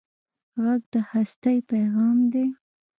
غږ د هستۍ پېغام دی